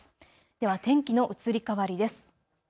では天気の移り変わりです。